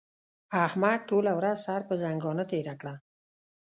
احمد ټوله ورځ سر پر ځنګانه تېره کړه.